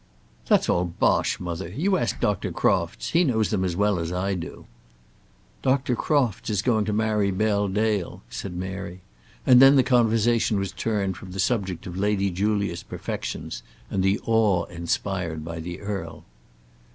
"That's all bosh, mother. You ask Dr. Crofts. He knows them as well as I do." "Dr. Crofts is going to marry Bell Dale," said Mary; and then the conversation was turned from the subject of Lady Julia's perfections, and the awe inspired by the earl.